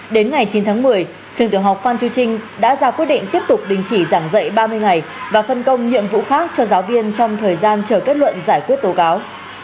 đến ngày chín tháng một mươi trường tiểu học phan chu trinh đã ra quyết định tiếp tục đình chỉ giảng dạy ba mươi ngày và phân công nhiệm vụ khác cho giáo viên trong thời gian chờ kết luận giải quyết tố cáo